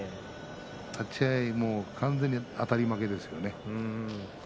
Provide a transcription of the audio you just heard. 立ち合い、完全にあたり負けですよね。